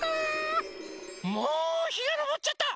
もうひがのぼっちゃった！